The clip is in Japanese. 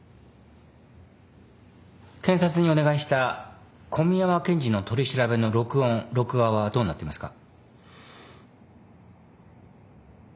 検察にお願いした小宮山検事の取り調べの録音録画はどうなっていますか。